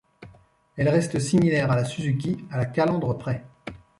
Elle reste similaire à la Suzuki, à la calandre près.